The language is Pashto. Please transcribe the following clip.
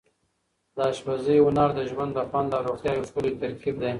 د اشپزۍ هنر د ژوند د خوند او روغتیا یو ښکلی ترکیب دی.